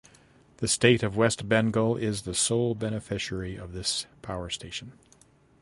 The state of West Bengal is the sole beneficiary of this power station.